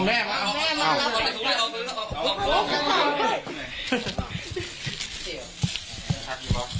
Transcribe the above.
เอ้าแม่มาล่ะ